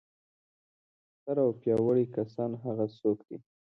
ستر او پیاوړي کسان هغه څوک دي.